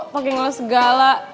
pakai ngeluh segala